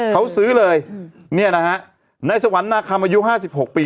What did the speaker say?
เขาซื้อเลยเนี่ยนะฮะในสวรรค์นาคำอายุ๕๖ปี